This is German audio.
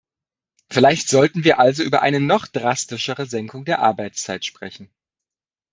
Vielleicht sollten wir also über eine noch drastischere Senkung der Arbeitszeit sprechen.